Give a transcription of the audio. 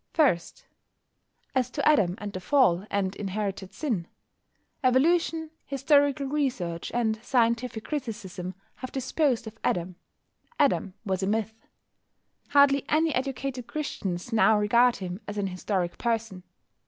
First, as to Adam and the Fall and inherited sin. Evolution, historical research, and scientific criticism have disposed of Adam. Adam was a myth. Hardly any educated Christians now regard him as an historic person.